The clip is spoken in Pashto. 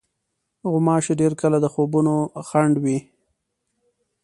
غوماشې ډېر کله د خوبونو خنډ وي.